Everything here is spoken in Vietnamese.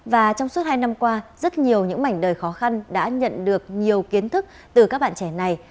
và trong suốt hai năm qua rất nhiều những mảnh đời khó khăn đã nhận được nhiều kiến thức từ các bạn trẻ này